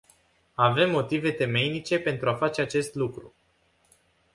Avem motive temeinice pentru a face acest lucru.